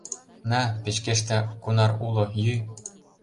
На, печкеште кунар уло, йӱ.